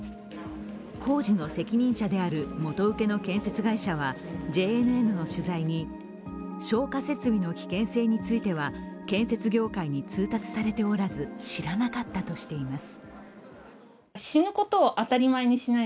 工事の責任者である元請けの建設会社はＪＮＮの取材に消火設備の危険性については建設業界に通達されておらず知らなかったとしています。